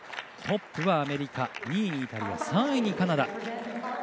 トップはアメリカ２位にイタリア、３位にカナダ。